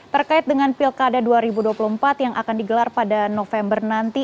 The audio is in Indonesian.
terkait dengan pilkada dua ribu dua puluh empat yang akan digelar pada november nanti